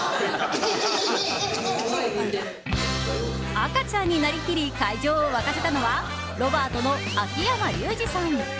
赤ちゃんになりきり会場を沸かせたのはロバートの秋山竜次さん。